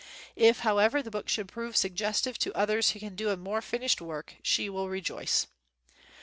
If, however, the book should prove sugges tive to others who can do a more finished work, she will rejoice.